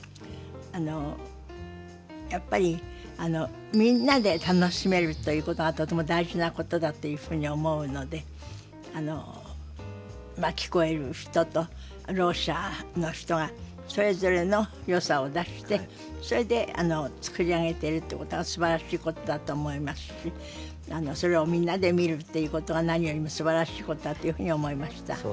あのやっぱりみんなで楽しめるということがとても大事なことだっていうふうに思うので聞こえる人とろう者の人がそれぞれのよさを出してそれで作り上げてるっていうことがすばらしいことだと思いますしそれをみんなで見るっていうことが何よりもすばらしいことだというふうに思いました。